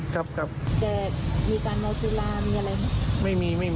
ครับครับครับแต่มีการเมาสุรามีอะไรครับ